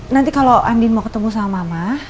nanti kalau andin mau ketemu sama mama